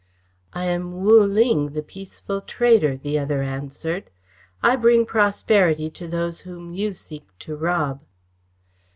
"I am Wu Ling, the peaceful trader," the other answered. "I bring prosperity to those whom you seek to rob."